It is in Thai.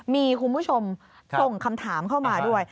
มีคุณผู้ชมส่งคำถามเข้ามาด้วย